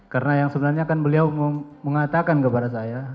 karena yang sebenarnya kan beliau mengatakan kepada saya